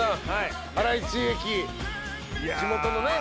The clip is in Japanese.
地元のね。